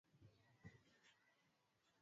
na wale ambao wanataka aondoke